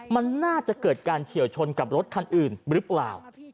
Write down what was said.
มันน่าจะเกิดการเฉียวชนกับรถคันอื่นหรือเปล่า